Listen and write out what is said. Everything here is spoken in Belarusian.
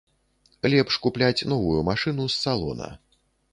Лепш купляць новую машыну, з салона.